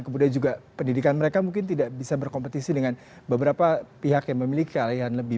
kemudian juga pendidikan mereka mungkin tidak bisa berkompetisi dengan beberapa pihak yang memiliki kealian lebih